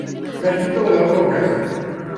Gallito de las rocas.